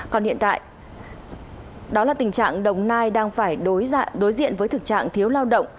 còn hiện tại đó là tình trạng đồng nai đang phải đối diện với thực trạng thiếu lao động